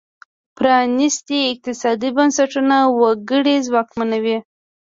پرانیستي اقتصادي بنسټونه وګړي ځواکمنوي.